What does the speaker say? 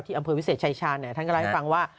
อำเภอวิเศษชายชาญท่านก็เล่าให้ฟังว่า